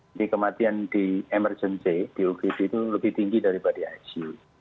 kematian di emergency di ugd itu lebih tinggi daripada icu